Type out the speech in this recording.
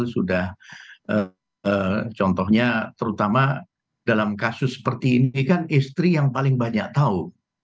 sudah contohnya terutama dalam kasus seperti ini kan istri yang paling banyak tahu